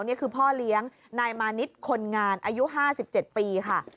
นี่คือพ่อเลี้ยงนายมานิดคนงานอายุ๕๗ปีค่ะ